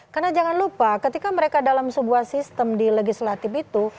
karena jangan lupa ketika mereka dalam sebuah sistem di legislatif itu